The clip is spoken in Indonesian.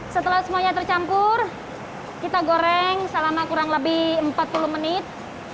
setelah semuanya tercampur kita goreng selama kurang lebih empat puluh menit